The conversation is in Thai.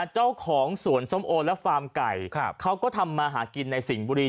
เจ้าของสวนส้มโอและฟาร์มไก่เขาก็ทำมาหากินในสิ่งบุรี